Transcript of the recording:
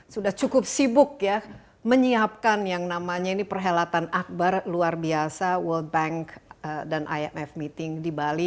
sudah cukup sibuk ya menyiapkan yang namanya ini perhelatan akbar luar biasa world bank dan imf meeting di bali